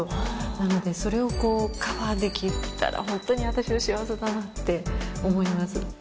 なのでそれをこうカバーできたらホントに私は幸せだなって思います。